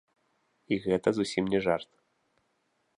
І гэта зусім не жарт.